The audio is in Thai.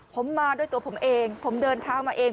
ผมมาด้วยตัวผมเองผมเดินเท้ามาเอง